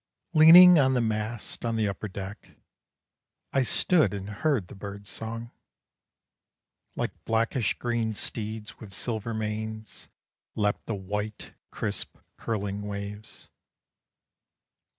Leaning on the mast on the upper deck, I stood and heard the bird's song. Like blackish green steeds with silver manes, Leapt the white crisp curling waves.